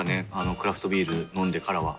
クラフトビール飲んでからは。